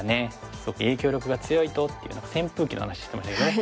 すごく影響力が強いとっていう扇風機の話してましたけどね。